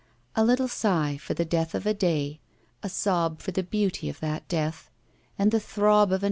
A little sigh for the death of a day, a sob for the beauty of that death, and the throb of an.